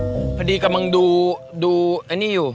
อ๋อโทษทีพอดีกำลังดูอันนี้อยู่